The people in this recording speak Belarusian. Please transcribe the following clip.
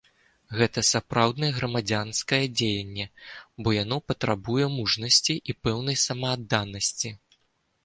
Гэта сапраўднае грамадзянскае дзеянне, бо яно патрабуе мужнасці і пэўнай самаадданасці.